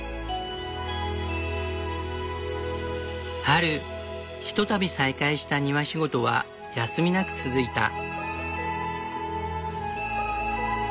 春ひとたび再開した庭仕事は休みなく続いた。